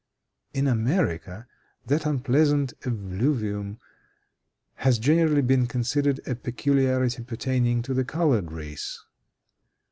In America that unpleasant effluvium has generally been considered a peculiarity pertaining to the colored race.